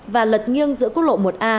và lật nghiêng giữa quốc lộ một a